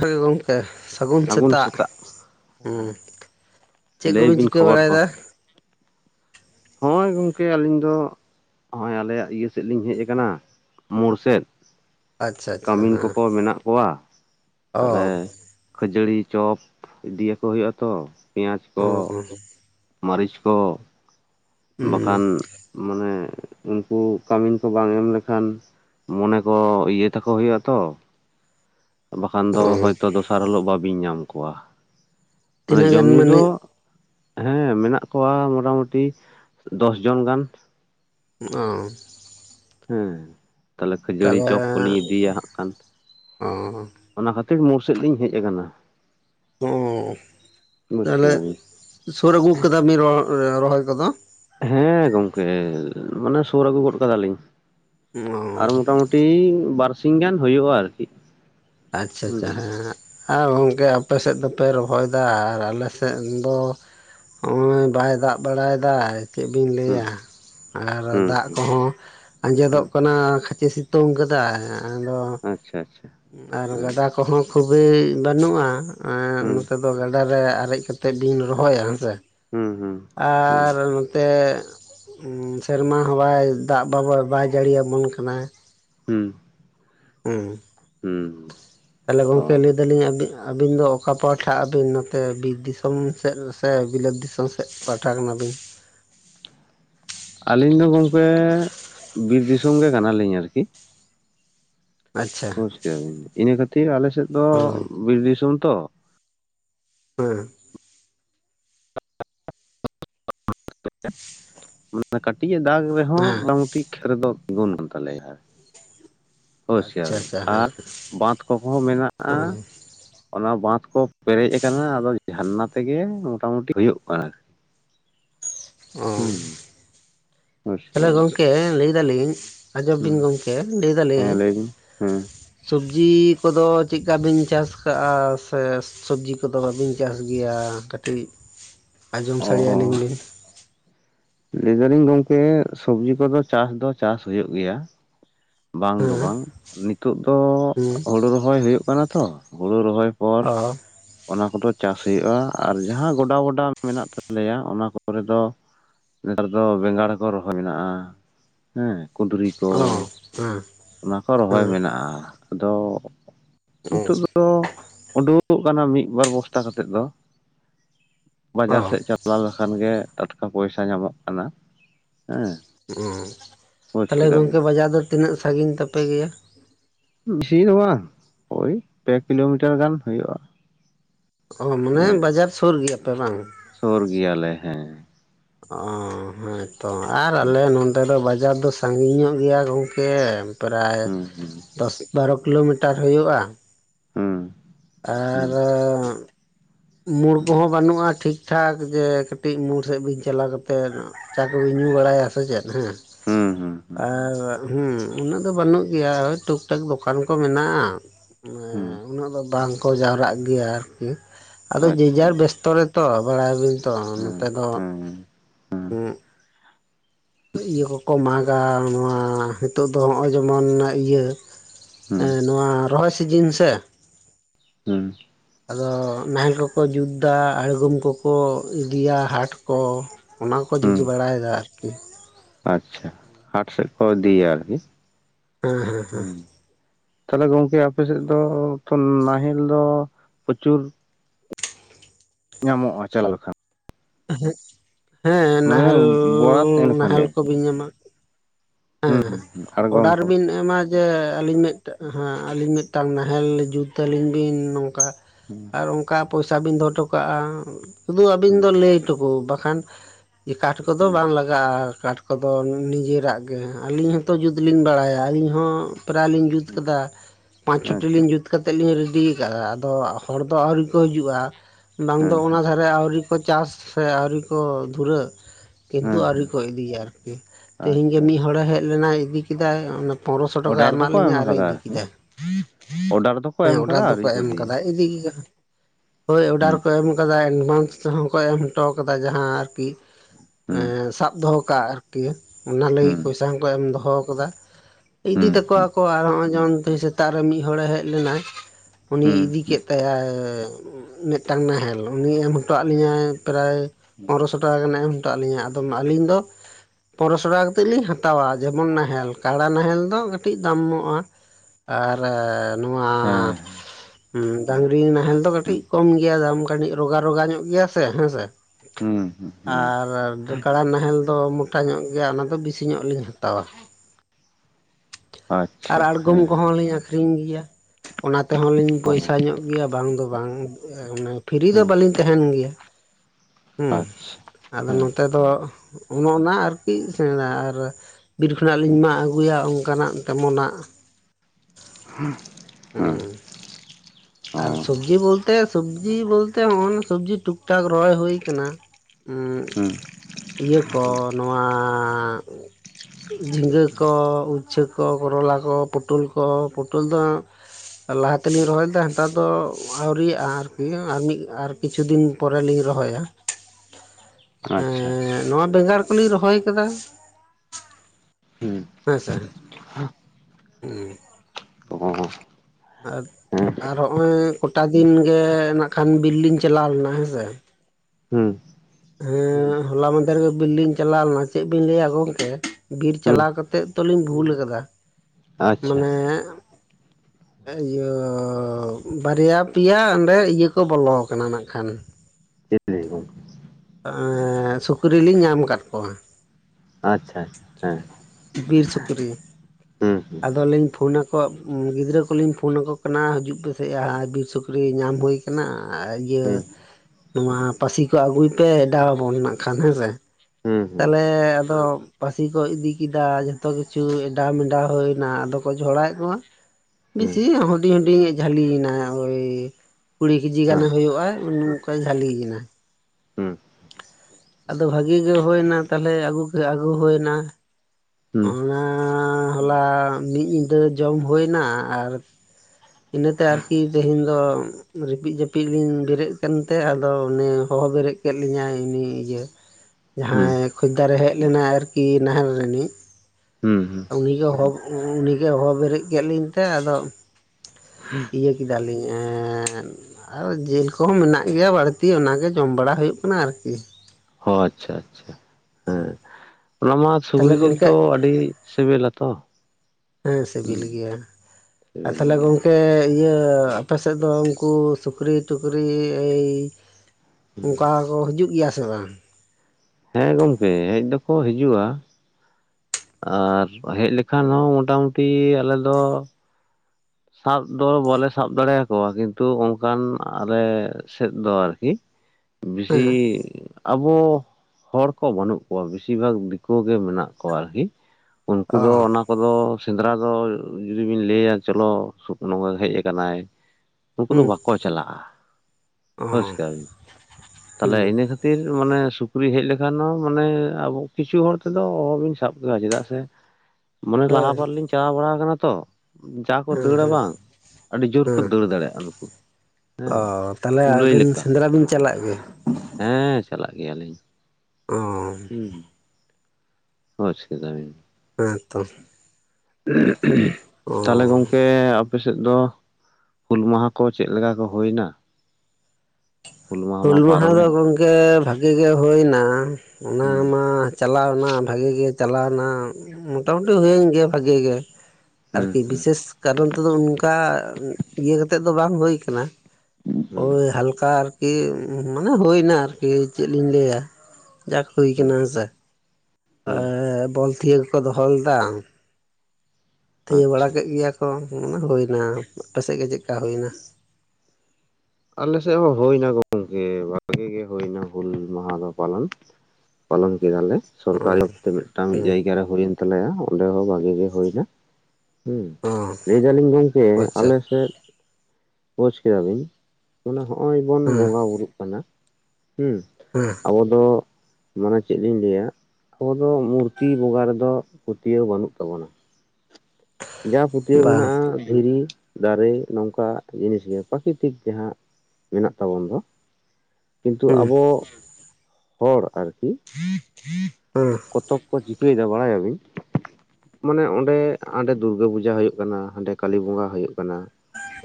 ᱦᱳᱭ ᱜᱚᱢᱠᱮ ᱥᱟᱹᱜᱩᱱ ᱥᱮᱛᱟᱜ? ᱦᱩᱸ ᱪᱮᱫ ᱞᱟᱹᱭ ᱠᱚᱵᱤᱱ ᱵᱤᱱ ᱪᱤᱠᱟᱹ ᱠᱷᱚᱵᱚᱨ ᱵᱟᱲᱟᱭᱮᱫᱟ? ᱦᱚᱸᱜ ᱚᱭ ᱜᱚᱢᱠᱮ ᱟᱹᱞᱤᱧ ᱫᱚ ᱦᱚᱸᱜᱚᱭ ᱟᱞᱮᱭᱟᱜ ᱤᱭᱟᱹ ᱥᱮᱫ ᱞᱤᱧ ᱦᱮᱡ ᱟᱠᱟᱱᱟ ᱢᱳᱲ ᱥᱮᱫ, ᱟᱪᱪᱷᱟ ᱟᱪᱪᱷᱟ ᱠᱟᱢᱤᱱ ᱦᱮᱸ ᱠᱚᱠᱚ ᱢᱮᱱᱟᱜ ᱠᱚᱣᱟ ᱛᱟᱞᱦᱮ ᱚ ᱠᱷᱟᱹᱡᱟᱹᱲᱤ ᱪᱚᱯ ᱤᱫᱤᱭᱟᱠᱚ ᱦᱩᱭᱩᱜᱼᱟ ᱛᱚ ᱯᱮᱸᱭᱟᱡᱽ ᱠᱚ ᱢᱟᱨᱤᱪ ᱠᱚ ᱵᱟᱠᱷᱟᱱ ᱢᱟᱱᱮ ᱩᱱᱠᱩ ᱠᱟᱢᱤᱱ ᱠᱚ ᱵᱟᱝ ᱮᱢ ᱞᱮᱠᱷᱟᱱ ᱢᱚᱱᱮ ᱠᱚ ᱤᱭᱟᱹᱛᱟᱠᱚ ᱦᱩᱭᱩᱜᱼᱟ ᱛᱚ ᱾ ᱵᱟᱠᱷᱟᱱ ᱫᱚ ᱦᱳᱭᱛᱳ ᱫᱚᱥᱟᱨ ᱦᱤᱞᱳᱜ ᱵᱟᱵᱤᱱ ᱧᱟᱢ ᱠᱚᱣᱟ ᱢᱟᱱᱮ ᱛᱤᱱᱟᱹᱜ ᱡᱚᱢ ᱜᱟᱱ ᱧᱩ ᱫᱚ ᱢᱟᱱᱮ ᱦᱮᱸ ᱢᱮᱱᱟᱜ ᱠᱚᱣᱟ ᱢᱚᱳᱴᱟᱢᱩᱴᱤ ᱫᱚᱥ ᱡᱚᱱ ᱜᱟᱱ ᱾ ᱚ ᱾ ᱦᱮᱸ ᱛᱟᱦᱚᱞᱮ ᱠᱷᱟᱹᱡᱟᱹᱲᱤ ᱪᱚᱯ ᱠᱚᱞᱤᱧ ᱤᱫᱤᱭᱟ ᱦᱟᱸᱜ ᱠᱷᱟᱱ ᱾ ᱚ ᱾ ᱚᱱᱟ ᱠᱷᱟᱹᱛᱤᱨ ᱢᱳᱲ ᱥᱮᱡ ᱞᱤᱧ ᱦᱮᱡ ᱟᱠᱟᱱᱟ ᱾ ᱚ ᱵᱩᱡᱽ ᱛᱟᱦᱚᱞᱮ ᱠᱮᱫᱟᱵᱤᱱ ᱥᱳᱨ ᱟᱜᱩ ᱠᱮᱫᱟ ᱵᱤᱱ ᱨᱚᱦᱚᱭ ᱠᱚᱫᱚ ᱾ ᱦᱮᱸ ᱜᱚᱝᱠᱮ ᱢᱟᱱᱮ ᱥᱩᱨ ᱟᱹᱜᱩ ᱜᱚᱫ ᱠᱟᱫᱟᱞᱤᱧ ᱚ ᱟᱨ ᱢᱳᱴᱟᱢᱩ ᱴᱤ ᱵᱟᱨᱥᱤᱧ ᱜᱟᱱ ᱦᱩᱭᱩᱜᱼᱟ ᱟᱨᱠᱤ ᱾ ᱟᱪᱪᱷᱟ ᱟᱪᱪᱷᱟ ᱦᱮᱸ [inaudible] ᱟᱨ ᱜᱚᱝᱠᱮ ᱟᱯᱮ ᱥᱮᱫ ᱫᱚᱯᱮ ᱨᱚᱦᱚᱸᱭ ᱫᱟ ᱟᱨ ᱟᱞᱮ ᱥᱮᱫ ᱫᱚ ᱱᱚᱜᱼᱚᱭ ᱵᱟᱭ ᱫᱟᱜ ᱵᱟᱲᱟᱭ ᱮᱫᱟ ᱾ ᱪᱮᱫ ᱵᱤᱱ ᱦᱩᱸ ᱞᱟᱹᱭᱟ ᱟᱨ ᱦᱩᱸ ᱫᱟᱜ ᱦᱩᱸ ᱠᱚᱦᱚᱸ ᱦᱩᱸ ᱟᱸᱡᱮᱫᱚᱜ ᱠᱟᱱᱟ ᱾ ᱡᱮ ᱥᱤᱛᱩᱝ ᱠᱮᱫᱟᱭ ᱟᱫᱚ ᱟᱪᱪᱷᱟ ᱟᱪᱪᱷᱟ ᱾ ᱟᱨ ᱜᱟᱰᱟ ᱠᱚᱦᱚᱸ ᱠᱷᱩᱵᱮᱭ ᱵᱟᱹᱱᱩᱜᱼᱟ ᱮᱸ ᱦᱩᱸ ᱱᱚᱛᱮ ᱫᱚ ᱜᱟᱰᱟ ᱭᱟᱜᱨᱮ ᱟᱨᱮᱡ ᱠᱟᱛᱮᱫ ᱵᱤᱱ ᱨᱚᱦᱚᱸᱭᱟ ᱦᱮᱸ ᱥᱮ ᱦᱩᱸ ᱦᱩᱸ ᱦᱩᱸ ᱟᱨ ᱱᱚ ᱛᱮ ᱥᱮᱨᱢᱟ ᱦᱚᱸ ᱵᱟᱭ ᱫᱟᱜ ᱵᱟᱵ ᱵᱟᱭ ᱡᱟᱹᱲᱤᱭᱟᱵᱚᱱ ᱠᱟᱱᱟ ᱾ ᱦᱩᱸ ᱾ ᱦᱮᱸ ᱾ ᱦᱩᱸ ᱾ ᱛᱟᱦᱚᱞᱮ ᱜᱚᱝᱠᱮ ᱞᱟᱹᱭ ᱫᱟᱹᱞᱤᱧ ᱟᱹᱵᱤᱱ ᱟᱹᱵᱤᱱ ᱫᱚ ᱚᱠᱟ ᱯᱟᱦᱴᱷᱟᱜ ᱟᱹᱵᱤᱱ ᱱᱚᱛᱮ ᱵᱤᱨ ᱫᱤᱥ ᱚᱢ ᱥᱮᱫ ᱨᱮ ᱥᱮ ᱵᱤᱞᱟᱹᱛ ᱫᱤᱥᱚᱢ ᱥᱮᱫ ᱯᱟᱦᱴᱷᱟ ᱠᱟᱱᱟ ᱵᱤᱱ? ᱟᱹᱞᱤᱧ ᱫᱚ ᱜᱚᱝᱠᱮ ᱵᱤᱨ ᱫᱤᱥᱚᱢ ᱜᱮ ᱠᱟᱱᱟ ᱞᱤᱧ ᱟᱨᱠᱤ ᱾ ᱟᱪᱪᱷᱟ ᱵᱩᱡᱽ ᱠᱮᱫᱟᱵᱤᱱ ᱤᱱᱟᱹ ᱠᱷᱟᱹᱛᱤᱨ ᱟᱞᱮᱥᱮᱫ ᱫᱚ ᱦᱮᱸ ᱵᱤᱨ ᱫᱤᱥᱚᱢ ᱛᱚ ᱾ ᱦᱮᱸ ᱾ [unintelligible] ᱠᱟᱹᱴᱤᱡ ᱮ ᱫᱟᱜ ᱨᱮᱦᱚᱸ ᱦᱮᱸ ᱢᱳᱴᱟᱢᱩᱴᱤ ᱠᱷᱮᱛ ᱨᱮᱫᱚ ᱜᱳᱞ ᱟᱠᱟᱱ ᱛᱟᱞᱮᱭᱟ ᱾ ᱦᱳᱭ ᱥᱮ ᱟᱪᱪᱷᱟ ᱟᱪᱪᱷᱟ ᱦᱮᱸ ᱟᱨ ᱵᱟᱸᱫ ᱠᱚᱦᱚᱸ ᱚ ᱢᱮᱱᱟᱜᱼᱟ ᱾ ᱚᱱᱟ ᱵᱟᱸᱫ ᱠᱚ ᱯᱮᱨᱮᱡ ᱟᱠᱟᱱᱟ ᱟᱫᱚ ᱡᱷᱟᱨᱱᱟ ᱛᱮᱜᱮ ᱢᱳᱴᱟᱢᱩᱴᱤ ᱦᱩᱭᱩᱜ ᱠᱟᱱᱟ᱾ ᱚ ᱾ ᱦᱩᱸ ᱟᱪᱪᱷᱟ ᱛᱟᱦᱚᱞᱮ ᱜᱚᱝᱠᱮ ᱞᱟᱹᱭ ᱫᱟᱞᱤᱧ ᱟᱸᱡᱚᱢ ᱦᱩᱸ ᱵᱤᱱ ᱜᱚᱝᱠᱮ ᱞᱟᱹᱭ ᱦᱮᱸ ᱫᱟᱞᱤᱧ ᱞᱟᱹᱭ ᱵᱤᱱ ᱦᱮᱸ ᱥᱚᱵᱡᱤ ᱠᱚᱫᱚ ᱪᱮᱜ ᱠᱟ ᱵᱮᱱ ᱪᱟᱥ ᱠᱟᱜ-ᱟ ᱥᱮ ᱥᱚᱵᱡᱤ ᱠᱚᱫᱚ ᱵᱟᱹᱵᱤᱱ ᱪᱟᱥ ᱜᱮᱭᱟ ᱠᱟᱹᱴᱤᱡ ᱟᱸᱡᱚᱢ ᱚ ᱥᱟᱲᱮᱭᱟ ᱟᱹᱞᱤᱧ ᱵᱤᱱ ᱾ ᱞᱟᱹᱭ ᱫᱟᱞᱤᱧ ᱜᱚᱝᱠᱮ ᱥᱚᱵᱡᱤ ᱠᱚᱫᱚ ᱪᱟᱥ ᱫᱚ ᱪᱟᱥ ᱦᱳᱭᱳᱜ ᱜᱮᱭᱟ᱾ ᱵᱟᱝ ᱫᱚ ᱦᱮᱸ ᱵᱟᱝ ᱱᱤᱛᱚᱜ ᱫᱚ ᱦᱮᱸ ᱦᱩᱲᱩ ᱨᱚᱦᱚᱭ ᱦᱩᱭᱩᱜ ᱠᱟᱱᱟ ᱛᱚ ᱦᱩᱲᱩ ᱨᱚᱦᱚᱭ ᱯᱚᱨ [inaudible] ᱚᱱᱟ ᱠᱚᱫᱚ ᱪᱟᱥ ᱦᱩᱭᱩᱜ-ᱟ ᱟᱨ ᱡᱟᱦᱟᱸ ᱜᱚᱰᱟ ᱜᱚᱰᱟ ᱢᱮᱱᱟᱜ ᱛᱟᱞᱮᱭᱟ ᱚᱱᱟ ᱠᱚᱨᱮ ᱫᱚ ᱱᱮᱛᱟᱨ ᱫᱚ ᱵᱮᱸᱜᱟᱲ ᱠᱚ ᱨᱚᱦᱚᱭ ᱢᱮᱱᱟᱜ-ᱟ ᱦᱮᱸ ᱠᱩᱸᱫᱽᱨᱤ ᱚ ᱠᱚ ᱦᱮᱸ ᱚᱱᱟ ᱠᱚ ᱨᱚᱦᱚᱭ ᱦᱮᱸ ᱢᱮᱱᱟᱜ-ᱟ ᱟᱫᱚ ᱚ ᱱᱤᱛᱚᱜ ᱫᱚ ᱩᱰᱩᱠᱚᱜ ᱠᱟᱱᱟ ᱢᱤᱫᱵᱟᱨ ᱵᱚᱥᱛᱟ ᱠᱟᱛᱮᱫ ᱫᱚ ᱾ ᱵᱟᱡᱟᱨ ᱚ ᱥᱮᱫ ᱪᱟᱯᱞᱟᱣ ᱞᱮᱠᱷᱟᱱ ᱜᱮ ᱴᱟᱴᱠᱟ ᱯᱚᱭᱥᱟ ᱧᱟᱢᱚᱜ ᱠᱟᱱᱟ᱾ ᱦᱮᱸ ᱚᱸ ᱵᱩᱡᱽ ᱛᱟᱦᱚᱞᱮ ᱜᱚᱝᱠᱮ ᱠᱮᱫᱟᱵᱤᱱ ᱵᱟᱡᱟᱨ ᱫᱚ ᱛᱤᱱᱟᱹᱜ ᱥᱟᱺᱜᱤᱧ ᱛᱟᱯᱮ ᱜᱮᱭᱟ? ᱵᱮᱥᱤ ᱫᱚ ᱵᱟᱝ ᱳᱭ ᱯᱮ ᱠᱤᱞᱳᱢᱤᱴᱟᱨ ᱜᱟᱱ ᱦᱩᱭᱩᱜ-ᱟ᱾ ᱚ ᱢᱟᱱᱮ ᱵᱟᱡᱟᱨ ᱥᱩᱨ ᱜᱮᱭᱟ ᱯᱮ ᱵᱟᱝ? ᱥᱩᱨ ᱜᱮᱭᱟᱞᱮ ᱦᱮᱸ᱾ ᱚᱸ ᱦᱮᱸᱛᱚ ᱟᱨ ᱟᱞᱮ ᱱᱚᱸᱰᱮ ᱫᱚ ᱵᱟᱡᱟᱨ ᱫᱚ ᱥᱟᱺᱜᱤᱧ ᱧᱚᱜ ᱜᱮᱭᱟ ᱜᱚᱝᱠᱮ ᱯᱨᱟᱭ ᱦᱩᱸ ᱦᱩᱸ ᱫᱚᱥ ᱵᱟᱨᱚ ᱠᱤᱞᱳᱢᱤᱴᱟᱨ ᱦᱩᱭᱩᱜ-ᱟ᱾ ᱦᱩᱸ᱾ ᱦᱩᱸ ᱟᱨ ᱢᱩᱲ ᱦᱩᱸ ᱠᱚᱦᱚᱸ ᱵᱟᱱᱩᱜ-ᱟ ᱴᱷᱤᱠ ᱴᱷᱟᱠ ᱡᱮ ᱠᱟᱹᱴᱤᱡ ᱢᱳᱲ ᱥᱮᱫ ᱵᱤᱱ ᱪᱟᱞᱟᱣ ᱠᱟᱛᱮᱫ ᱪᱟ ᱠᱚᱵᱤᱱ ᱧᱩ ᱵᱟᱲᱟᱭᱟ ᱥᱮ ᱪᱮᱫ? ᱦᱮᱸ ᱦᱩᱸ ᱦᱩᱸ ᱦᱩᱸ ᱟᱨ ᱦᱩᱸ ᱩᱱᱟᱹᱜ ᱫᱚ ᱵᱟᱹᱱᱩᱜ ᱜᱮᱭᱟ ᱴᱩᱠ ᱴᱟᱠ ᱫᱚᱠᱟᱱ ᱠᱚ ᱢᱮᱱᱟᱜ-ᱟ ᱦᱩᱸ ᱩᱱᱟᱹᱜ ᱫᱚ ᱵᱟᱝ ᱡᱟᱣᱨᱟᱜ ᱜᱮᱭᱟ ᱟᱫᱚ ᱟᱪᱪᱷᱟ ᱡᱮᱡᱟᱨ ᱵᱮᱥᱛᱚ ᱨᱮ ᱛᱚ ᱵᱟᱲᱟᱭᱟ ᱵᱤᱱ ᱛᱚ ᱦᱩᱸ ᱱᱚᱛᱮ ᱫᱚ ᱦᱩᱸ ᱤᱭᱟᱹ ᱠᱚᱠᱚ ᱢᱟᱜᱟ ᱱᱚᱣᱟ ᱦᱤᱛᱚᱜ ᱫᱚ ᱦᱚᱜ-ᱚᱭ ᱡᱮᱢᱚᱱ ᱤᱭᱟᱹ ᱦᱩᱸ ᱮᱸ ᱱᱚᱣᱟ ᱨᱚᱦᱚᱭ ᱥᱤᱡᱤᱱ ᱥᱮ ᱦᱩᱸ ᱟᱫᱚ ᱱᱟᱦᱮᱞ ᱠᱚᱠᱚ ᱡᱩᱛ-ᱫᱟ ᱟᱲᱜᱚᱢ ᱠᱚᱠᱚ ᱤᱫᱤᱭᱟ ᱦᱟᱴ ᱠᱚ᱾ ᱚᱱᱟ ᱠᱚ ᱡᱩᱛ ᱦᱩᱸ ᱵᱟᱲᱟᱭᱮᱫᱟ ᱟᱨᱠᱤ᱾ ᱟᱪᱪᱷᱟ, ᱦᱟᱴ ᱥᱮᱫ ᱠᱚ ᱤᱫᱤᱭᱟ ᱟᱨᱠᱤ ᱦᱮᱸ ᱦᱮᱸ ᱦᱩᱸ᱾ ᱛᱟᱦᱞᱮ ᱜᱚᱝᱠᱮ ᱟᱯᱮ ᱥᱮᱫ ᱫᱚ ᱛᱚ ᱱᱟᱦᱮᱞ ᱫᱚ ᱯᱚᱪᱩᱨ ᱧᱟᱢᱚᱜ-ᱟ ᱪᱟᱞᱟᱣ ᱞᱮᱠᱷᱟᱱ᱾ ᱦᱮᱸ ᱢᱟᱱᱮ ᱱᱟᱦᱮᱞ ᱵᱚᱨᱟᱛ ᱮᱢ ᱞᱮᱠᱷᱟᱱ ᱱᱟᱦᱮᱞ ᱜᱮ ᱠᱚᱵᱤᱱ ᱧᱟᱢᱟ᱾ ᱦᱩᱸ ᱦᱮᱸ ᱦᱩᱸ ᱦᱩᱸ ᱟᱬᱜᱚᱢ ᱚᱰᱟᱨ ᱠᱚ ᱵᱤᱱ ᱮᱢᱟ ᱡᱮ ᱟᱹᱞᱤᱧ ᱢᱤᱫᱴᱟᱜ ᱦᱮᱸ ᱟᱹᱞᱤᱧ ᱢᱤᱫᱴᱟᱝ ᱱᱟᱦᱮᱞ ᱡᱩᱛ ᱟᱹᱞᱤᱧ ᱵᱤᱱ ᱱᱚᱝᱠᱟ, ᱦᱩ᱾ ᱛᱚ ᱚᱱᱠᱟ ᱯᱚᱭᱥᱟ ᱵᱤᱱ ᱫᱚᱦᱚ ᱦᱚᱴᱚ ᱠᱟᱜ-ᱟ ᱥᱩᱫᱩ ᱟᱹᱵᱤᱱ ᱦᱩᱸ ᱫᱚ ᱞᱟᱹᱭ ᱴᱩᱠᱩ ᱵᱟᱠᱷᱟᱱ ᱮᱠᱟᱴᱷ ᱠᱚᱫᱚ ᱦᱩᱸ ᱵᱟᱝ ᱞᱟᱜᱟᱜ-ᱟ ᱠᱟᱴᱷ ᱠᱚᱫᱚ ᱱᱤᱡᱮᱨᱟᱜ ᱜᱮ ᱟᱹᱞᱤᱧ ᱦᱚᱸᱛᱚ ᱡᱩᱛᱞᱤᱧ ᱵᱟᱲᱟᱭᱟ ᱟᱹᱞᱤᱧ ᱦᱚᱸ ᱯᱨᱟᱭ ᱞᱤᱧ ᱡᱩᱛ ᱦᱩᱸ ᱠᱟᱫᱟ ᱯᱟᱸᱪ ᱪᱷᱚᱴ ᱟᱪᱪᱷᱟ ᱞᱤᱧ ᱡᱩᱛ ᱠᱟᱛᱮᱫ ᱞᱤᱧ ᱨᱮᱰᱤ ᱟᱠᱟᱫᱟ ᱟᱫᱚ ᱦᱚᱲ ᱫᱚ ᱟᱹᱣᱨᱤ ᱠᱚ ᱦᱤᱡᱩᱜ-ᱟ ᱵᱟᱝ ᱫᱚ ᱦᱮᱸ ᱚᱱᱟ ᱦᱮᱸ ᱫᱷᱟᱨᱮ ᱟᱹᱣᱨᱤ ᱪᱟᱥ ᱥᱮ ᱟᱹᱣᱨᱤ ᱠᱚ ᱫᱷᱩᱨᱟᱹᱜ ᱠᱤᱱᱛᱩ ᱦᱮᱸ ᱟᱹᱣᱨᱤ ᱦᱮᱸ ᱠᱚ ᱤᱫᱤᱭᱟ ᱟᱨᱠᱤ ᱛᱮᱦᱤᱧ ᱟᱪᱪᱷᱟ ᱢᱤᱫ ᱦᱚᱲᱮ ᱦᱮᱡ ᱞᱮᱱᱟᱭ ᱤᱫᱤ ᱠᱮᱫᱟᱭ ᱚᱱᱟ ᱯᱚᱱᱨᱚᱥᱚ ᱴᱟᱠᱟᱭ ᱚᱰᱟᱨ ᱮᱢᱟᱜ ᱫᱚᱠᱚ ᱞᱤᱧᱟ ᱮᱢ ᱟᱨᱮ ᱟᱠᱟᱫᱟ ᱤᱫᱤ ᱠᱮᱫᱟᱭ᱾ [unintelligible] ᱚᱰᱟᱨ ᱫᱚ ᱦᱮᱸ ᱚᱰᱟᱨ ᱫᱚᱠᱚ ᱮᱢ ᱠᱟᱫᱟ ᱤᱫᱤ ᱜᱤᱭᱟᱹ ᱦᱳᱭ ᱚᱰᱟᱨ ᱦᱩᱸ ᱠᱚ ᱮᱢ ᱠᱟᱫᱟ ᱮᱰᱵᱷᱟᱱᱥ ᱛᱮᱦᱚᱸ ᱠᱚ ᱮᱢ ᱦᱚᱴᱚ ᱠᱟᱫᱟ ᱡᱟᱦᱟᱸ ᱟᱨᱠᱤ ᱦᱩᱸ ᱥᱟᱵ ᱫᱚᱦᱚ ᱠᱟᱜ ᱟᱨᱠᱤ, ᱚᱱᱟ ᱞᱟᱹᱜᱤᱫ ᱦᱩᱸ ᱯᱚᱭᱥᱟ ᱦᱚᱸᱠᱚ ᱮᱢ ᱠᱟᱫᱟ ᱤᱫᱤ ᱦᱩᱸ ᱛᱟᱠᱚᱣᱟ ᱦᱩᱸ ᱠᱚ ᱱᱚᱜ ᱚᱭ ᱡᱮᱢᱚᱱ ᱥᱮᱛᱟᱜ ᱨᱮ ᱢᱤᱫ ᱦᱚᱲᱮ ᱦᱮᱡ ᱞᱮᱱᱟᱭ ᱩᱱᱤ ᱦᱩᱸ ᱤᱫᱤ ᱦᱩᱸ ᱠᱮᱫ ᱛᱟᱭᱟᱭ ᱢᱤᱫᱴᱟᱝ ᱱᱟᱦᱮᱞ ᱩᱱᱤ ᱮᱢ ᱦᱚᱴᱚᱜ ᱞᱤᱧᱟᱭ ᱯᱨᱟᱭ ᱯᱚᱱᱨᱚᱥᱚ ᱴᱟ ᱜᱟᱱᱮ ᱮᱢ ᱦᱟᱛᱟᱜ ᱞᱤᱧᱟᱹ ᱟᱫᱚ ᱟᱹᱞᱤᱧ ᱫᱚ ᱯᱚᱱᱮᱨᱚᱥᱚ ᱴᱟᱠᱟ ᱠᱟᱛᱮᱫ ᱞᱤᱧ ᱦᱟᱛᱟᱣᱟ ᱡᱮᱢᱚᱱ ᱱᱟᱦᱮᱞ ᱠᱟᱲᱟ ᱱᱟᱦᱮᱞ ᱫᱚ ᱠᱟᱹᱴᱤᱡ ᱫᱟᱢᱚᱜᱼᱟ, ᱟᱨ ᱱᱚᱣᱟ ᱦᱮᱸ ᱰᱟᱝᱨᱤ ᱱᱟᱦᱮᱞ ᱫᱚ ᱦᱩᱸ ᱠᱟᱹᱴᱤᱡ ᱠᱚᱢ ᱜᱮᱭᱟ ᱫᱟᱢ ᱠᱟᱹᱴᱤᱡ ᱨᱚᱜᱟ ᱨᱚᱜᱟ ᱧᱚᱜ ᱜᱮᱭᱟ ᱥᱮ ᱦᱮᱸ ᱥᱮ ᱦᱩᱸ ᱦᱩᱸ ᱦᱩᱸ ᱟᱨ ᱠᱟᱬᱟ ᱱᱟᱦᱮᱞ ᱫᱚ ᱢᱚᱴᱟ ᱧᱚᱜ ᱜᱮᱭᱟ ᱚᱱᱟᱫᱚ ᱵᱤᱥᱤ ᱧᱚᱜ ᱞᱤᱧ ᱦᱟᱛᱟᱣᱟ, ᱟᱨ ᱟᱪᱪᱷᱟ ᱟᱬᱜᱚᱢ ᱦᱮᱸ ᱠᱚᱦᱚᱸ ᱞᱤᱧ ᱟᱹᱠᱷᱨᱤᱧ ᱜᱮᱭᱟ᱾ ᱚᱱᱟ ᱛᱮᱦᱚᱸᱞᱤᱧ ᱯᱚᱭᱥᱟ ᱧᱚᱜ ᱜᱮᱭᱟ ᱵᱟᱝ ᱫᱚ ᱵᱟᱝ ᱯᱷᱤᱨᱤ ᱫᱚ ᱦᱮᱸ ᱵᱟᱹᱞᱤᱧ ᱛᱟᱦᱮᱟᱸᱱ ᱜᱮᱭᱟ ᱦᱮᱸ, ᱟᱪᱪᱷᱟ ᱟᱫᱚ ᱦᱮᱸ ᱱᱚᱛᱮ ᱫᱚ ᱚᱱᱱᱟ ᱟᱨᱠᱤ ᱥᱮᱬᱟ ᱟᱨ ᱵᱤᱨ ᱠᱷᱚᱱᱟᱜ ᱞᱤᱧ ᱢᱟᱜ ᱟᱹᱜᱩᱭᱟ ᱚᱝᱠᱟᱱᱟᱜ ᱛᱮᱢᱚᱱᱟᱜ᱾ [unintelligible] ᱟᱨ ᱥᱚᱵᱽᱡᱤ ᱵᱳᱞᱛᱮ ᱥᱚᱵᱽᱡᱤ ᱵᱳᱞᱛᱮ ᱦᱚᱸᱜᱚᱱᱟ ᱥᱚᱵᱽᱡᱤ ᱴᱷᱩᱠ ᱴᱷᱟᱠ ᱨᱚᱦᱚᱭ ᱦᱳᱭ ᱠᱟᱱᱟ᱾ ᱩᱸ ᱦᱩᱸ ᱤᱭᱟᱹ ᱠᱚ ᱱᱚᱣᱟ ᱡᱷᱤᱸᱜᱟᱹ ᱠᱚ, ᱩᱪᱷᱟᱹ ᱠᱚ, ᱠᱚᱨᱚᱞᱟ ᱠᱚ, ᱯᱳᱴᱳᱞ ᱠᱚ, ᱯᱳᱴᱳᱞ ᱫᱚ ᱞᱟᱦᱟ ᱛᱮᱞᱤᱧ ᱨᱚᱦᱚᱭ ᱞᱮᱫᱟ᱾ ᱛᱟᱨ ᱫᱚ ᱟᱹᱣᱨᱤᱭᱟᱜ-ᱟ ᱟᱨᱠᱤ, ᱟᱨ ᱢᱤᱫ ᱟᱨ ᱠᱤᱪᱷᱩ ᱫᱤᱱ ᱯᱚᱨᱮᱞᱤᱧ ᱨᱚᱦᱚᱭ-ᱟ᱾ [unintelligible] ᱟᱪᱪᱷᱟ ᱟᱪᱪᱷᱟ᱾ ᱮᱸ ᱱᱚᱣᱟ ᱵᱮᱸᱜᱟᱲ ᱠᱚᱞᱤᱧ ᱨᱚᱦᱚᱭ ᱠᱟᱫᱟ᱾ ᱦᱩᱸ᱾ ᱦᱮᱸᱥᱮ ᱦᱩᱸ᱾ [unintelligible] ᱟᱨ ᱟᱨ ᱦᱚᱸᱜᱚᱭ ᱠᱚᱴᱟ ᱫᱤᱱ ᱜᱮ ᱱᱟᱜᱠᱷᱟᱱ ᱵᱤᱨ ᱞᱤᱧ ᱪᱟᱞᱟᱣ ᱞᱮᱱᱟ ᱦᱮᱸᱥᱮ᱾ ᱦᱩᱸ ᱦᱮᱸᱻ ᱦᱚᱞᱟ ᱢᱟᱫᱷᱮᱨ ᱜᱮ ᱵᱤᱨ ᱞᱤᱧ ᱪᱟᱞᱟᱣ ᱞᱮᱱᱟ ᱪᱮᱫ ᱵᱤᱱ ᱞᱟᱹᱭᱟ ᱜᱚᱝᱠᱮ ᱵᱤᱨ ᱦᱩᱸ ᱪᱟᱞᱟᱣ ᱠᱟᱛᱮᱫ ᱛᱚᱞᱤᱧ ᱵᱷᱩᱞ ᱠᱟᱫᱟ᱾ ᱟᱪᱪᱷᱟ ᱢᱟᱱᱮ ᱤᱭᱟᱹ ᱵᱟᱨᱭᱟ ᱯᱮᱭᱟ ᱚᱸᱰᱮ ᱤᱭᱟᱹ ᱠᱚ ᱵᱚᱞᱚ ᱠᱟᱱᱟ ᱱᱟᱜᱠᱷᱟᱱ ᱪᱤᱞᱤ ᱜᱚᱝᱠᱮ ᱮᱸ ᱥᱩᱠᱨᱤ ᱞᱤᱧ ᱧᱟᱢ ᱠᱟᱫ ᱠᱚᱣᱟ᱾ ᱟᱪᱪᱷᱟ ᱦᱮᱸ᱾ ᱵᱤᱨ ᱥᱩᱠᱨᱤ ᱦᱩᱸ ᱟᱫᱚ ᱞᱤᱧ ᱯᱷᱤᱱᱟᱜ ᱠᱚᱣᱟ ᱜᱤᱫᱽᱨᱟᱹ ᱠᱚᱞᱤᱧ ᱯᱷᱳᱱ ᱟᱠᱚ ᱠᱟᱱᱟ ᱦᱟᱡᱩᱜ ᱯᱮᱥᱮᱡ-ᱟ ᱭᱟ ᱵᱤᱨ ᱥᱩᱠᱨᱤ ᱧᱟᱢ ᱦᱩᱭ ᱠᱟᱱᱟ ᱤᱭᱟᱹ ᱦᱩᱸ ᱱᱚᱣᱟ ᱯᱟᱹᱥᱤ ᱠᱚ ᱟᱹᱜᱩᱭ ᱯᱮ ᱮᱰᱟᱣ ᱟᱵᱚᱱ ᱱᱟᱜᱠᱷᱟᱱ ᱦᱮᱸᱥᱮ᱾ ᱦᱩᱸ ᱦᱩᱸ ᱛᱟᱞᱦᱮ ᱟᱫᱚ ᱯᱟᱹᱥᱤ ᱠᱚ ᱤᱫᱤ ᱠᱤᱫᱟ ᱡᱷᱚᱛᱚ ᱠᱤᱪᱷᱩ ᱮᱰᱟᱣ ᱢᱮᱰᱟᱣ ᱦᱳᱭᱱᱟ ᱟᱫᱚ ᱠᱚ ᱡᱷᱚᱲᱟᱭᱮᱫ ᱠᱚᱣᱟ ᱦᱩᱸ ᱵᱤᱥᱤ ᱦᱩᱰᱤᱧ ᱦᱩᱰᱤᱧ ᱧᱤᱡᱮ ᱡᱷᱟᱹᱞᱤᱭᱱᱟ ᱳᱭ ᱠᱩᱲᱤ ᱠᱤᱡᱤ ᱜᱟᱱᱮ ᱦᱩᱸ ᱦᱳᱭᱳᱜᱟᱭ [inaudible] ᱡᱷᱟᱹᱞᱤᱠᱟᱱᱟᱭ᱾ ᱦᱮᱸ ᱟᱫᱚ ᱵᱷᱟᱜᱮ ᱜᱮ ᱦᱳᱭᱱᱟ ᱛᱟᱞᱦᱮ ᱟᱹᱜᱩ ᱠᱮ ᱟᱹᱜᱩ ᱦᱳᱭᱱᱟ᱾ ᱦᱩᱸ ᱦᱩᱸ ᱚᱱᱟ ᱦᱚᱞᱟ ᱢᱤᱫ ᱧᱤᱫᱟᱹ ᱡᱚᱢ ᱦᱳᱭᱱᱟ, ᱟᱨ ᱤᱱᱟᱹᱛᱮ ᱟᱨᱠᱤ ᱛᱮᱦᱮᱧ ᱫᱚ ᱨᱤᱯᱤᱫ ᱡᱟᱹᱯᱤᱫ ᱞᱤᱧ ᱵᱮᱨᱮᱫ ᱠᱟᱱᱛᱮ ᱟᱫᱚ ᱚᱱᱮ ᱦᱚᱦᱚ ᱵᱮᱨᱮᱫ ᱠᱮᱫ ᱞᱤᱧᱟᱭ ᱩᱱᱤ ᱤᱭᱟᱹ ᱦᱩᱸ ᱡᱟᱦᱟᱸᱭ ᱠᱷᱚᱫᱽᱫᱟᱨᱮ ᱦᱮᱡ ᱞᱮᱱᱟᱭ ᱟᱨᱠᱤ ᱱᱟᱦᱮᱞ ᱨᱤᱱᱤᱡ ᱦᱩᱸ ᱦᱩᱸ ᱩᱱᱤᱜᱮ [inaudible] ᱩᱱᱤᱜᱮ ᱦᱚᱦᱚ ᱵᱮᱨᱮᱫ ᱠᱮᱫ ᱞᱤᱧ ᱛᱮ ᱟᱫᱚ ᱤᱭᱟᱹ ᱠᱮᱫᱟᱞᱤᱧ ᱮᱸ ᱟᱫᱚ ᱡᱮᱞ ᱠᱚᱦᱚᱸ ᱢᱮᱱᱟᱜ ᱜᱮᱭᱟ ᱵᱟᱲᱛᱤ ᱚᱱᱟᱜᱮ ᱡᱚᱢ ᱵᱟᱲᱟ ᱦᱳᱭᱳᱜ ᱠᱟᱱᱟ ᱟᱨᱠᱤ᱾ ᱦᱚᱸ ᱟᱪᱪᱷᱟ ᱟᱪᱪᱷᱟ ᱾ [unintelligible] ᱚᱱᱟ ᱢᱟ ᱥᱩᱠᱨᱤ ᱛᱟᱦᱚᱞᱮ ᱡᱮᱞ ᱜᱚᱢᱠᱮ ᱛᱚ ᱟᱹᱰᱤ ᱥᱮᱵᱮᱞᱟ ᱛᱚ᱾ ᱦᱮᱸ ᱦᱩᱸ ᱥᱤᱵᱤᱞ ᱜᱮᱭᱟ ᱟᱨ ᱥᱤᱵᱤᱞ ᱛᱟᱞᱦᱮ ᱜᱮᱭᱟ ᱜᱚᱝ ᱠᱮ ᱤᱭᱟᱹ ᱟᱯᱮ ᱥᱮᱜ ᱫᱚ ᱩᱝᱠᱩ ᱥᱩᱠᱨᱤ ᱴᱩᱠᱨᱤ ᱚᱝᱠᱟ ᱠᱚ ᱦᱤᱡᱩᱜ ᱜᱮᱭᱟ ᱥᱮ ᱵᱟᱝ? ᱦᱮᱸ ᱜᱚᱢᱠᱮ ᱦᱮᱡ ᱫᱚᱠᱚ ᱦᱤᱡᱩᱜ-ᱟ᱾ ᱟᱨ ᱦᱮᱡ ᱞᱮᱠᱷᱟᱱ ᱦᱚᱸ ᱢᱚᱴᱟ ᱢᱩᱴᱤ ᱟᱞᱮᱫᱚ ᱥᱟᱵ ᱫᱚ ᱵᱟᱞᱮ ᱥᱟᱵ ᱫᱟᱲᱮᱭᱟᱠᱚᱣᱟ ᱠᱤᱱᱛᱩ ᱚᱝᱠᱟᱱ ᱟᱞᱮ ᱥᱮᱫ ᱫᱚ ᱟᱨᱠᱤ᱾ [unintelligible] ᱾ ᱵᱤᱥᱤᱻ ᱟᱵᱚ, ᱦᱚᱲ ᱠᱚ ᱵᱟᱱᱩᱜ ᱠᱚᱣᱟ ᱵᱤᱥᱤ ᱵᱷᱟᱜᱽ ᱫᱤᱠᱩ ᱜᱮ ᱢᱮᱱᱟᱜ ᱠᱚᱣᱟ ᱟᱨᱠᱤ ᱾ ᱩᱱᱠᱩ ᱚ ᱫᱚ ᱚᱱᱟ ᱠᱚᱫᱚ ᱥᱮᱸᱫᱽᱨᱟ ᱫᱚ ᱡᱩᱫᱤᱵᱤᱱ ᱞᱟᱹᱭ ᱟᱠ ᱪᱚᱞᱚ ᱥᱩᱠᱱᱚ ᱦᱚᱸᱭ ᱦᱮᱡ ᱟᱠᱟᱱᱟᱭ ᱩᱱᱩᱠᱩ ᱫᱚ ᱦᱮᱸ ᱵᱟᱠᱚ ᱪᱟᱞᱟᱜᱼᱟ ᱚ ᱦᱳᱭ ᱦᱮᱸ ᱥᱮᱞ, ᱛᱟᱞᱦᱮ ᱤᱱᱟᱹ ᱠᱷᱟᱹ ᱛᱤᱨ ᱢᱟᱱᱮ ᱥᱩᱠᱨᱤ ᱦᱮᱡ ᱞᱮᱠᱷᱟᱱ ᱦᱚᱸ ᱢᱟᱱᱮ ᱟᱵᱚ ᱠᱤᱪᱷᱩ ᱦᱚᱲ ᱛᱮᱫᱚ ᱚᱦᱚᱵᱤᱱ ᱥᱟᱵ ᱠᱣᱟ ᱪᱮᱫᱟᱜ ᱥᱮ [unintelligible] ᱾ ᱢᱚᱱᱮ ᱞᱟᱦᱟ ᱵᱟᱨ ᱞᱤᱧ ᱪᱟᱞᱟᱣ ᱵᱟᱲᱟ ᱠᱟᱱᱟ ᱛᱚ ᱡᱟ ᱠᱚ ᱦᱮᱸ ᱫᱟᱹᱲᱟ ᱦᱮᱸ ᱵᱟᱝ ᱟᱹᱰᱤ ᱡᱳᱨ ᱠᱚ ᱦᱮᱸ ᱫᱟᱹᱲ ᱫᱟᱲᱮᱜᱼᱟ ᱱᱩᱠᱩ ᱾ ᱚ, ᱛᱟᱞᱦᱮ ᱟᱵᱤᱱ ᱥᱮᱸᱫᱽᱨᱟ ᱵᱤᱱ ᱪᱟᱞᱟᱜ ᱜᱮᱭᱟ? ᱦᱮᱸ, ᱪᱟᱞᱟᱜ ᱜᱮᱭᱟᱞᱤᱧ, ᱚ ᱩᱸ ᱾ ᱦᱚᱸᱡᱽ ᱠᱮᱫᱟᱵᱤᱱ ᱾ ᱮᱸ ᱛᱚ ᱾ ᱷᱩᱸᱦ ᱷᱩᱸ ᱛᱟᱞᱦᱮ ᱜᱚᱝᱠᱮ ᱟᱯ ᱟᱯᱮᱥᱮᱫ ᱫᱚ ᱦᱩᱞ ᱢᱟᱦᱟ ᱠᱚ ᱪᱮᱜ ᱞᱮᱠᱟ ᱠᱚ ᱦᱳᱭᱱᱟ? ᱦᱩᱞ ᱢᱟᱦᱟ ᱫᱚ ᱯᱟᱨᱚᱢᱮᱱ ᱜᱚᱝᱠᱮ ᱵᱷᱟᱜᱮᱹ ᱜᱮ ᱦᱳᱭᱱᱟ ᱚᱱᱟ ᱦᱩᱸ ᱢᱟ ᱪᱟᱞᱟᱣᱱᱟ ᱵᱷᱟᱜᱮᱹ ᱜᱮ ᱪᱟᱞᱟᱣᱱᱟ ᱢᱚᱴᱟ ᱢᱩᱴᱤ ᱦᱳᱭᱮᱱ ᱜᱮᱭᱟ ᱵᱷᱟᱜᱮᱹ ᱜᱮ ᱾ ᱦᱩᱸ ᱟᱨᱠᱤ ᱦᱩᱸ ᱵᱤᱥᱮᱹᱥ ᱠᱟᱨᱚᱱ ᱛᱮᱫᱚ ᱚᱱᱠᱟ ᱤᱭᱟᱹ ᱠᱟᱛᱮᱫ ᱫᱚ ᱵᱟᱝ ᱦᱳᱭ ᱠᱟᱱᱟ ᱦᱩᱸ ᱳᱭ, ᱦᱟᱞᱠᱟ ᱟᱨᱠᱤ ᱢᱟᱱᱮ ᱦᱳᱭᱱᱟ ᱟᱨᱠᱤ ᱪᱮᱜ ᱞᱤᱧ ᱞᱟᱹᱭᱟ ᱡᱟᱠ ᱦᱩᱭ ᱦᱩᱸ ᱠᱟᱱᱟ ᱦᱮᱸ ᱥᱮ, ᱮᱻ ᱦᱩᱸ ᱵᱚᱞ ᱛᱦᱤᱭᱟᱹ ᱠᱚᱠᱚ ᱫᱚᱦᱚ ᱞᱮᱫᱟ ᱛᱷᱤᱭᱟᱹ ᱵᱟᱲᱟ ᱟᱪᱪᱷᱟ ᱠᱮᱜ ᱜᱮᱭᱟ ᱠᱚ ᱢᱟᱱᱮ ᱦᱳᱭᱱᱟ ᱟᱯᱮᱥᱮᱜ ᱜᱮ ᱪᱮᱜᱠᱟ ᱦᱳᱭᱱᱟ? ᱟᱞᱮ ᱥᱮᱜ ᱦᱚᱸ ᱦᱳᱭᱱᱟ ᱜᱚᱝᱠᱮ ᱵᱷᱟᱜᱮᱹ ᱜᱮ ᱦᱳᱭᱱᱟ ᱦᱩᱞ ᱢᱟᱦᱟ ᱫᱚ ᱯᱟᱞᱚᱱ ᱾ ᱯᱟᱞᱚᱱ ᱠᱮᱫᱟᱞᱮ ᱾ ᱥᱚᱨᱠᱟᱨᱤ ᱚ ᱵᱷᱟᱵᱛᱮ ᱢᱮᱜᱴᱟᱝ ᱦᱩᱸ ᱡᱟᱭᱜᱟᱟᱨᱮ ᱦᱳᱭᱮᱱ ᱛᱟᱞᱮᱭᱟ ᱚᱸᱰᱮ ᱦᱚᱸ ᱵᱷᱟᱜᱮ ᱜᱮ ᱦᱳᱭᱱᱟ ᱾ ᱦᱩᱸ, ᱚ ᱞᱟᱹᱭ ᱫᱟᱞᱤᱧ ᱜᱚᱝᱠᱮ ᱟᱪᱪᱷᱟ ᱟᱞᱮ ᱥᱮᱫ ᱵᱩᱡᱷ ᱠᱮᱫᱟ ᱵᱤᱱ ᱚᱱᱟ ᱦᱚᱸᱜᱚᱭ ᱵᱚᱱ ᱦᱮᱸ ᱵᱚᱸᱜᱟ ᱵᱩᱨᱩᱜᱜ ᱠᱟᱱᱟ, ᱦᱩᱸ ᱩᱸᱦ ᱟᱵᱳ ᱫᱚᱜ ᱢᱟᱱᱮ ᱪᱮᱜ ᱞᱤᱧ ᱞᱟᱹᱭᱟ, ᱟᱵᱚᱫ ᱫᱚ ᱢᱩᱨᱛᱤ ᱵᱚᱸᱜᱟ ᱨᱮᱫᱚ ᱯᱟᱹᱛᱭᱟᱹᱣ ᱵᱟᱹᱱᱩᱜ ᱛᱟᱵᱚᱱᱟ ᱾ ᱡᱟ ᱯᱟᱹᱛᱭᱟᱹᱣ ᱵᱟᱝ ᱢᱮᱱᱟᱜᱼᱟ ᱫᱷᱤᱨᱤ ᱾ ᱫᱟᱨᱮᱹ ᱱᱚᱝᱠᱟ ᱡᱤᱱᱤᱥ ᱜᱮ ᱯᱨᱟᱠᱤᱛᱤᱠ ᱡᱟᱦᱟᱸ ᱢᱮᱱᱟᱜ ᱛᱟᱵᱚᱱ ᱫᱚ ᱾ ᱠᱤᱱᱛᱩ ᱦᱩᱸ ᱟᱵᱚ ᱦᱚᱲ ᱟᱨᱠᱤ ᱩᱸᱦ ᱾ ᱠᱚᱛᱚᱠ ᱠᱚ ᱪᱤᱠᱟᱹᱭᱫᱟ ᱵᱟᱲᱟᱭ ᱟᱵᱤᱱ ᱢᱟᱱᱮ ᱚᱸᱰᱮ ᱦᱟᱸᱰᱮ ᱫᱩᱨᱜᱟᱹ ᱯᱩᱡᱟᱹ ᱦᱳᱭᱩᱜ ᱠᱟᱱᱟ ᱦᱟᱸᱰᱮ ᱠᱟᱞᱤ ᱵᱚᱸᱜᱟ ᱦᱳᱭᱳᱜ ᱠᱟᱱᱟ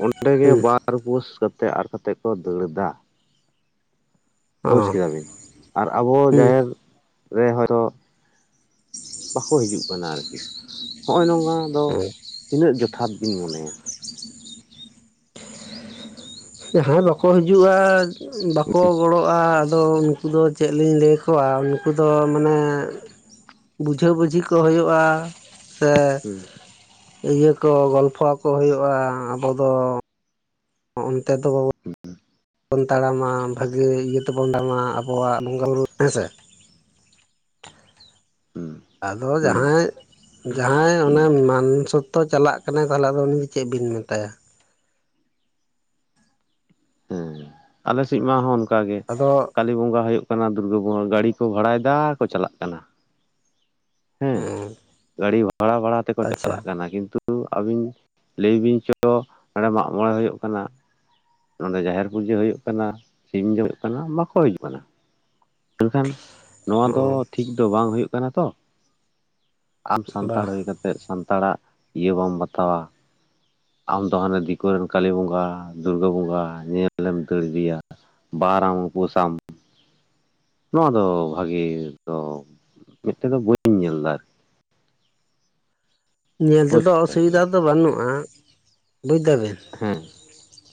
ᱚᱱᱛᱮᱜᱮ ᱦᱩᱸ ᱵᱟᱨ ᱟᱨ ᱩᱯᱟᱹᱥ ᱠᱟᱛᱮ ᱟᱨ ᱠᱟᱛᱮᱜ ᱠᱚ ᱫᱟᱹᱲ ᱮ ᱫᱟ ᱾ ᱵᱩᱡᱽ ᱚ ᱠᱮᱫᱟ ᱵᱤᱱ, ᱟᱨ ᱟᱵᱚ ᱦᱩᱸ ᱡᱟᱦᱮᱨ ᱨᱮ ᱦᱚᱭᱛᱚ ᱵᱟᱠᱚ ᱦᱤᱡᱩᱜ ᱠᱟᱱᱟ ᱟᱨᱠᱤ ᱦᱚᱸᱜᱼᱚᱭ ᱱᱚᱝ ᱟ ᱫᱚ ᱛᱤᱱᱟᱹᱜ ᱡᱚᱛᱷᱟᱛ ᱵᱤᱱ ᱢᱚᱱᱮᱭᱟ? ᱡᱟᱦᱟᱸᱭ ᱵᱟᱠᱚ ᱦᱤᱡᱩᱜᱼᱟ ᱾ ᱵᱟᱠᱚ ᱜᱚᱲᱚᱜᱼᱟ ᱟᱫᱚ ᱩᱱᱠᱩ ᱫᱚ ᱪᱮᱫ ᱞᱤᱧ ᱞᱟᱹᱭ ᱟᱠᱚᱣᱟ ᱩᱱᱠᱩ ᱫᱚ ᱢᱟᱱᱮ ᱵᱩᱡᱷᱟᱹ ᱵᱩᱡᱷᱤ ᱠᱚ ᱦᱳᱭᱩᱳᱜᱼᱟ ᱥᱮ, ᱦᱩᱸ ᱤᱭᱟᱹ ᱠᱚ ᱜᱚᱞᱯᱷᱚ ᱟᱠᱚ ᱦᱳᱭᱳᱜᱼᱟ ᱟᱵᱚ ᱫᱚ ᱚᱱᱛᱮ ᱛᱚ ᱵᱟᱵᱚ ᱵᱚᱱ ᱛᱟᱲᱟᱢᱟ ᱵᱷᱟᱜᱮᱹ ᱤᱭᱟᱹ ᱛᱮᱵᱚᱱ ᱫᱟᱲᱢᱟ ᱟᱵᱚᱣᱟᱜ ᱵᱚᱸᱜᱟ ᱵᱩᱨᱩ ᱦᱮᱸ ᱥᱮ ᱾ ᱦᱩᱸ ᱟᱫᱚ ᱦᱩᱸ ᱡᱟᱦᱟᱸᱭ᱾ ᱡᱟᱦᱟᱸᱭ ᱦᱩᱸ ᱚᱱᱮ ᱢᱟᱱᱥᱚᱛᱛᱚ ᱪᱟᱞᱟᱜ ᱠᱟᱱᱟᱭ ᱛᱟᱦᱚᱞᱮ ᱟᱫᱚ ᱩᱱᱤ ᱫᱚ ᱪᱮᱫ ᱵᱤᱱ ᱢᱮᱛᱟᱭᱟ᱾ ᱦᱮᱸ, ᱟᱞᱮ ᱥᱮᱫ ᱢᱟ ᱦᱚᱸ ᱚᱱᱠᱟ ᱜᱮ ᱟᱫᱚ ᱠᱟᱞᱤ ᱵᱚᱸᱜᱟ ᱦᱳᱭᱳᱜ ᱠᱟᱱᱟ ᱫᱩᱨᱜᱟᱹ ᱵᱚᱸᱜᱟ ᱜᱟᱹᱲᱤ ᱠᱚ ᱵᱷᱟᱲᱟᱭ ᱫᱟ ᱟᱨ ᱠᱚ ᱪᱟᱞᱟᱜ ᱠᱟᱱᱟ᱾ ᱦᱮᱸ ᱜᱟᱲᱤ ᱵᱷᱟᱲᱟ ᱵᱷᱟᱲᱟ ᱛᱮᱠᱚ ᱪᱟᱞᱟᱜ ᱟᱪᱪᱷᱟ ᱠᱟᱱᱟ ᱠᱤᱱᱛᱩ ᱟᱹᱵᱤᱱ ᱞᱟᱹᱭ ᱵᱤᱱ ᱪᱚ ᱦᱟᱰᱮ ᱢᱟᱜᱽ ᱢᱚᱬᱮ ᱦᱳᱭᱳᱜ ᱠᱟᱱᱟ᱾ ᱱᱚᱸᱰᱮ ᱡᱟᱦᱮᱨ ᱯᱩᱡᱟᱹ ᱦᱩᱭᱩᱜ ᱠᱟᱱᱟ, ᱥᱤᱢ ᱡᱚᱢ ᱦᱩᱭᱩᱜ ᱠᱟᱱᱟ ᱵᱟᱠᱚ ᱦᱟᱹᱡᱩᱜ ᱟᱱᱟ᱾ ᱢᱮᱱᱠᱷᱟᱱ ᱱᱚᱣᱟ ᱫᱚ ᱴᱷᱤᱠ ᱫᱚ ᱵᱟᱝ ᱦᱩᱭᱩᱜ ᱠᱟᱱᱟ ᱛᱚ᱾ ᱟᱢ ᱵᱟ ᱥᱟᱱᱛᱟᱲ ᱦᱩᱭ ᱠᱟᱛᱮᱜ, ᱥᱟᱱᱛᱟᱲᱟᱜ ᱤᱭᱟᱹ ᱵᱟᱢ ᱵᱟᱛᱟᱣᱟ᱾ ᱟᱢᱫᱚ ᱦᱟᱱᱮ ᱫᱤᱠᱩ ᱨᱮᱱ ᱠᱟᱞᱤ ᱵᱚᱸᱜᱟ ᱫᱩᱨᱜᱟᱹ ᱵᱚᱸᱜᱟ ᱧᱮᱞᱮᱢ ᱫᱟᱹᱲ ᱤᱫᱤᱭᱟ᱾ ᱵᱟᱨᱟᱢ ᱩᱯᱟᱹᱥᱟᱢ᱾ ᱱᱚᱣᱟ ᱫᱚ ᱵᱷᱟᱜᱤ ᱫᱚ ᱢᱮᱫᱛᱮ ᱫᱚ ᱵᱟᱹᱧ ᱧᱮᱞ ᱫᱟ ᱟᱨ ᱧᱮᱞ ᱵᱩᱡᱽ ᱛᱮᱫᱚ ᱠᱮᱫᱟ ᱚᱥᱩᱵᱤᱫᱟ ᱫᱚ ᱵᱟᱹᱱᱩᱜᱼᱟ, ᱵᱩᱡ ᱫᱟᱵᱮᱱ? ᱦᱮᱸ᱾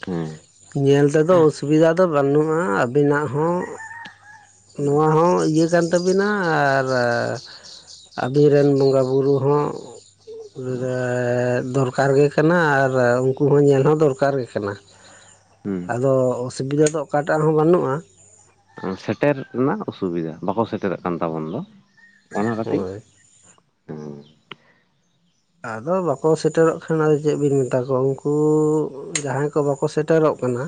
ᱦᱮᱸ ᱧᱮᱞ ᱛᱮᱫᱚ ᱚᱥᱩᱵᱤᱫᱷᱟ ᱫᱚ ᱵᱟᱹᱱᱩᱜᱼᱟ, ᱟᱵᱤᱱᱟᱜ ᱦᱚᱸ ᱱᱚᱣᱟ ᱦᱚᱸ ᱤᱭᱟᱹ ᱠᱟᱱ ᱛᱟᱵᱤᱱᱟ ᱟᱨ ᱟᱹᱵᱤᱱ ᱨᱮᱱ ᱵᱚᱸᱜᱟ ᱵᱩᱨᱩ ᱦᱚᱸ ᱫᱚᱨᱠᱟᱨ ᱜᱮ ᱠᱟᱱᱟ ᱟᱨ ᱩᱱᱠᱩ ᱦᱚᱸ ᱧᱮᱞ ᱦᱚᱸ ᱫᱚᱨᱠᱟᱨ ᱜᱮ ᱠᱟᱱᱟ᱾ ᱟᱫᱚ ᱚᱥᱩᱵᱤᱫᱟ ᱫᱚ ᱚᱠᱟᱴᱟᱜ ᱦᱚᱸ ᱵᱟᱹᱱᱩᱜᱼᱟ᱾ ᱥᱮᱴᱮᱨ ᱨᱮᱱᱟᱜ ᱚᱥᱩᱵᱤᱫᱟ ᱵᱟᱠᱚ ᱥᱮᱴᱮᱨᱚᱜ ᱠᱟᱱ ᱛᱟᱵᱚᱱ ᱫᱚ᱾ ᱚᱱᱟ ᱠᱟᱹᱴᱤᱡ ᱦᱳᱭ᱾ ᱟᱫᱚ ᱵᱟᱠᱚ ᱥᱮᱴᱮᱨᱚᱜ ᱠᱷᱟᱱ ᱟᱫᱚ ᱪᱮᱜ ᱵᱤᱱ ᱢᱮᱛᱟ ᱠᱚᱣᱟ ᱩᱱᱠᱩ ᱡᱟᱦᱟᱸᱭ ᱠᱚ ᱵᱟᱠᱚ ᱥᱮᱴᱮᱨᱚᱜ ᱠᱟᱱᱟ᱾